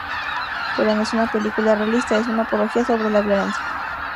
Pero no es una película realista, es una apología sobre la violencia.